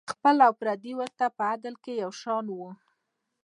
خپل او پردي ورته په عدل کې یو شان وو.